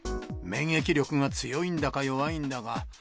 免疫力が強いんだか弱いんだか。